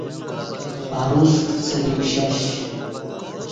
اروس کڅہ لی پشش